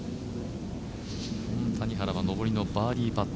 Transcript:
谷原は上りのバーディーパット